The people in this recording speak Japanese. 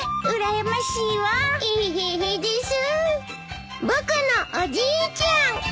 エヘヘです。